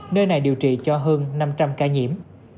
nơi này điều trị cho hơn năm trăm linh ca nhiễm